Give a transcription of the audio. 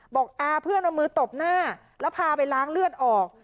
บอกอาเพื่อนเอามือตบหน้าแล้วพาไปล้างเลือดออก